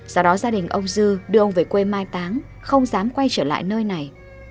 do đó gia đình ông dư đưa ông về quê mai táng không dám quay trở lại nơi này